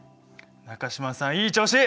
中島さんいい調子！